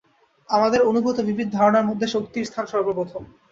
আমাদের অনুভূত বিবিধ ধারণার মধ্যে শক্তির স্থান সর্বপ্রথম।